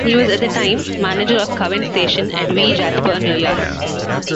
He was, at the time, manager of Cavan station at Wee Jasper near Yass.